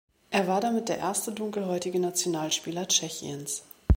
Er war damit der erste dunkelhäutige Nationalspieler Tschechiens.